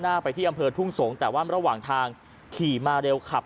หน้าไปที่อำเภอทุ่งสงศ์แต่ว่าระหว่างทางขี่มาเร็วขับ